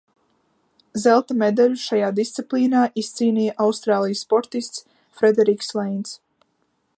Zelta medaļu šajā disciplīnā izcīnīja Austrālijas sportists Frederiks Leins.